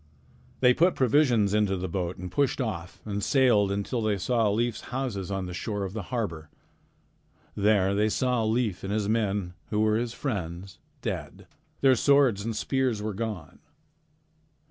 They put provisions into the boat and pushed off and sailed until they saw Leif's houses on the shore of the harbor. There they saw Leif and the men who were his friends, dead. Their swords and spears were gone.